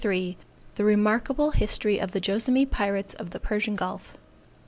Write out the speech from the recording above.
_] THE REMARKABLE HISTORY OF THE JOASSAMEE PIRATES OF THE PERSIAN GULF.